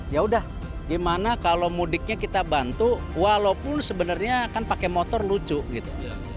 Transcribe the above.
ya udah gimana kalau mudiknya kita bantu walaupun sebenarnya kan pakai motor lucu gitu